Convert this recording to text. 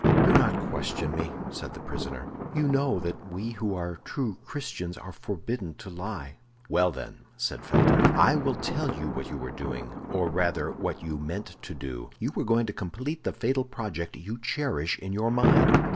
"Do not question me," said the prisoner; "you know that we who are true Christians are forbidden to lie." "Well, then," said Felton, "I will tell you what you were doing, or rather what you meant to do; you were going to complete the fatal project you cherish in your mind.